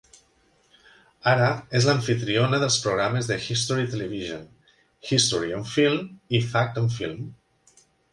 Ara és l'amfitriona dels programes de History Television "History on Film" i "Fact and Film".